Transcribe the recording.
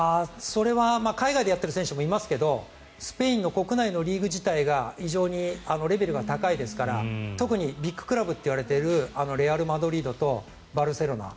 それは海外でやっている選手もいますけどスペインの国内リーグ自体が非常にレベルが高いですから特にビッグクラブといわれているレアル・マドリードとバルセロナ。